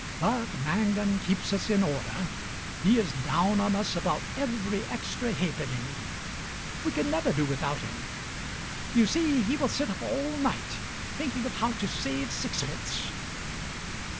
But Mangan keeps us in order. He is down on us about every extra halfpenny. We could never do without him. You see, he will sit up all night thinking of how to save sixpence.